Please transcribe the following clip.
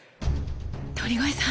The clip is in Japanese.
鳥越さん